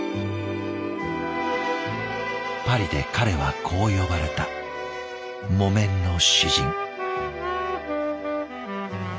パリで彼はこう呼ばれた「木綿の詩人」。